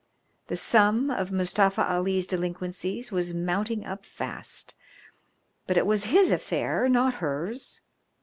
The sum of Mustafa Ali's delinquencies was mounting up fast. But it was his affair, not hers.